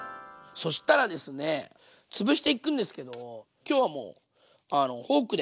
そしたらですねつぶしていくんですけど今日はもうフォークで。